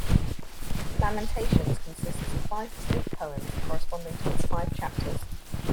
Lamentations consists of five distinct poems, corresponding to its five chapters.